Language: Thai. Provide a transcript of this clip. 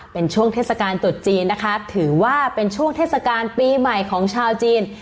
เป็นช่วงเทศกาลตรุษจีนนะคะถือว่าเป็นช่วงเทศกาลปีใหม่ของชาวจีน